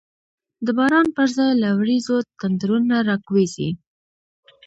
د باران پر ځای له وریځو، تندرونه را کوزیږی